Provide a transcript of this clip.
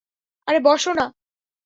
আরে বস না!